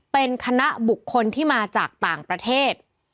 เป็นคณะบุคคลที่มาจากต่างประเทศ